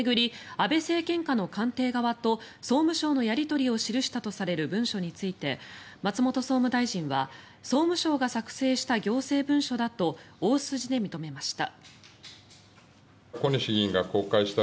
安倍政権下の官邸側と総務省のやり取りを記したとされる文書について松本総務大臣は総務省が作成した行政文書だと大筋で認めました。